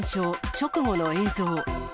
直後の映像。